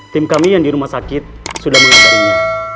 tim kami yang di rumah sakit sudah melihat ini